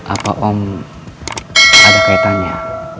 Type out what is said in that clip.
apa om ada kaitannya